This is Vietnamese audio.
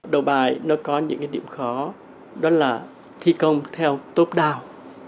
đầu bài nó có những điểm khó đó là thi công theo tốp đào